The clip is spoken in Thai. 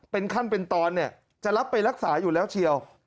เป็นขั้นเป็นตอนเนี่ยจะรับไปรักษาอยู่แล้วเชียว